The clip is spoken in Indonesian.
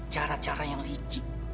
cara cara yang licik